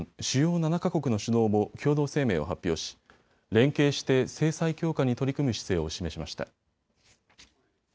主要７か国の首脳も共同声明を発表し連携して制裁強化に取り組む姿勢を示しました。